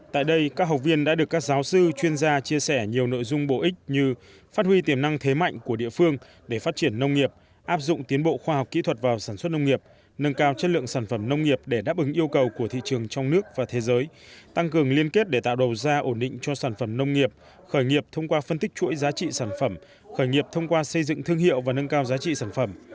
tại đây các học viên đã được các giáo sư chuyên gia chia sẻ nhiều nội dung bổ ích như phát huy tiềm năng thế mạnh của địa phương để phát triển nông nghiệp áp dụng tiến bộ khoa học kỹ thuật vào sản xuất nông nghiệp nâng cao chất lượng sản phẩm nông nghiệp để đáp ứng yêu cầu của thị trường trong nước và thế giới tăng cường liên kết để tạo đầu ra ổn định cho sản phẩm nông nghiệp khởi nghiệp thông qua phân tích chuỗi giá trị sản phẩm khởi nghiệp thông qua xây dựng thương hiệu và nâng cao giá trị sản phẩm